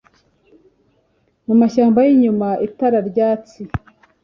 mu mashyamba yinyuma, itara ryatsi